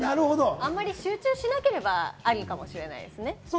あまり集中しなければ、アリかもしれないですね。